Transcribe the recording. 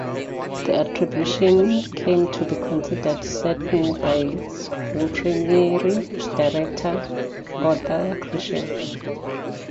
The attribution came to be considered certain by the Imprimerie's director Arthur Christian.